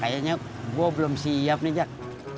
kayaknya gue belum siap nih cak